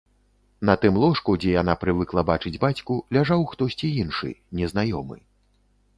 На тым ложку, дзе яна прывыкла бачыць бацьку, ляжаў хтосьці іншы, незнаёмы.